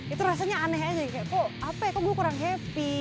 itu rasanya aneh aja kayak kok apa ya kok gue kurang happy